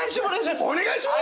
お願いします！